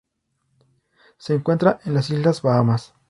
Se encuentra en las islas Bahamas.